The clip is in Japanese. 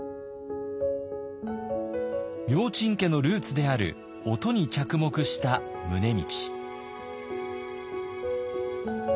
明珍家のルーツである音に着目した宗理。